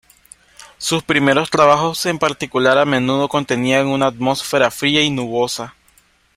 Sus primeros trabajos en particular a menudo contenían una atmósfera fría y nubosa.